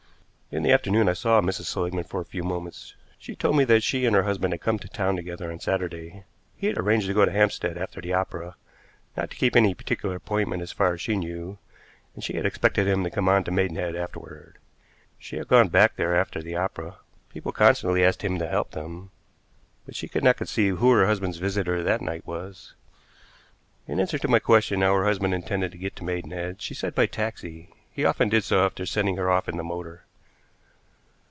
In the afternoon I saw Mrs. Seligmann for a few moments. She told me that she and her husband had come to town together on Saturday. He had arranged to go to Hampstead after the opera, not to keep any particular appointment as far as she knew, and she had expected him to come on to Maidenhead afterward. She had gone back there after the opera. People constantly asked him to help them, but she could not conceive who her husband's visitor that night was. In answer to my question how her husband intended to get to Maidenhead, she said by taxi. He often did so after sending her off in the motor.